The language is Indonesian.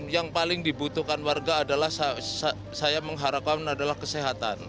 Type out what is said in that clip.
yang paling dibutuhkan warga adalah saya mengharapkan adalah kesehatan